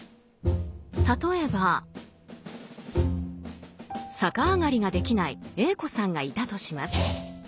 例えば逆上がりができないＡ子さんがいたとします。